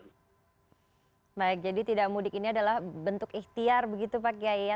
baik jadi tidak mudik ini adalah bentuk ikhtiar begitu pak kiai ya